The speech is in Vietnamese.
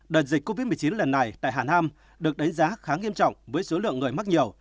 đợt dịch covid một mươi chín lần này tại hà nam được đánh giá khá nghiêm trọng với số lượng người mắc nhiều